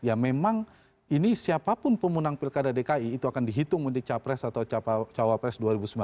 ya memang ini siapapun pemenang pilkada dki itu akan dihitung untuk capres atau cawapres dua ribu sembilan belas